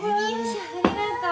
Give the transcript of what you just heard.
ありがとう。